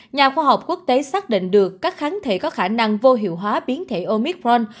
nhà khoa học quốc tế xác định được các kháng thể có khả năng vô hiệu hóa biến thể omicron